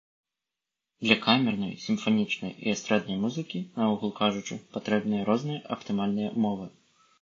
Для камернай, сімфанічнай і эстраднай музыкі, наогул кажучы, патрэбныя розныя аптымальныя ўмовы.